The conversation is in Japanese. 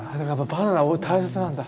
バナナ大切なんだ。